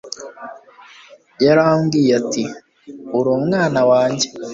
yarambwiye ati uri umwana wanjye